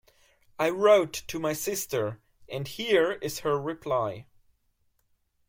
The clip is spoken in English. I wrote to my sister, and here is her reply.